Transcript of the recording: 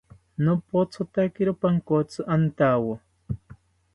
Nopothotakiro pankotzi antawo